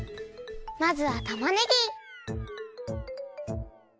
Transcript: まずはたまねぎ！